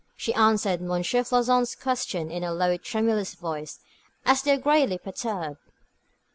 She answered M. Floçon's questions in a low, tremulous voice, as though greatly perturbed.